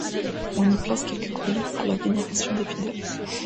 On y place quelques reliques pour la vénération des fidèles.